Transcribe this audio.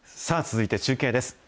さあ、続いて中継です。